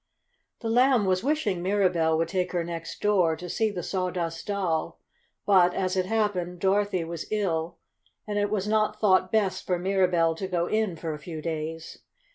The Lamb was wishing Mirabell would take her next door, to see the Sawdust Doll, but, as it happened, Dorothy was ill, and it was not thought best for Mirabell to go in for a few days.